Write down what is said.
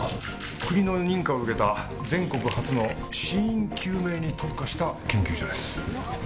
国の認可を受けた全国初の死因究明に特化した研究所です